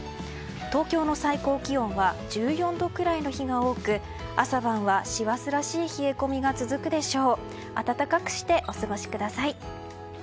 東京の最高気温は１４度ぐらいの日が多く朝晩は師走らしい冷え込みが続くでしょう。